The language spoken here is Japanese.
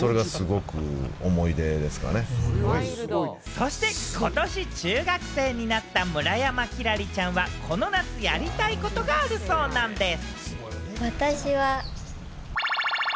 そして、ことし中学生になった村山輝星ちゃんはこの夏やりたいことがあるそうなんでぃす。